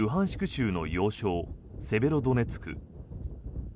州の要衝セベロドネツク。